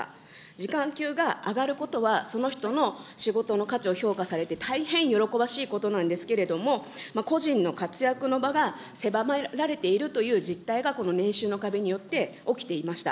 時間給が上がることは、その人の仕事の価値を評価されて大変喜ばしいことなんですけれども、個人の活躍の場が狭められているという実態がこの年収の壁によって起きていました。